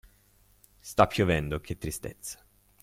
Sta piovendo, che tristezza!